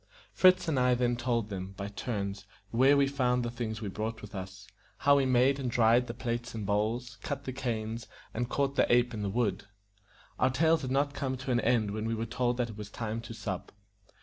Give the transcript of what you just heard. Fritz and I then told them, by turns, where we found the things we brought with us, how we made and dried the plates and bowls, cut the canes, and caught the ape in the wood. Our tales had not come to an end when we were told that it was time to sup.